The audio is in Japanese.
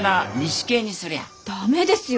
駄目ですよ。